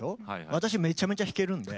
私めちゃめちゃ弾けるんで。